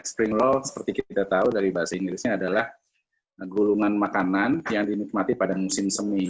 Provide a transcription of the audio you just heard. spring law seperti kita tahu dari bahasa inggrisnya adalah gulungan makanan yang dinikmati pada musim semi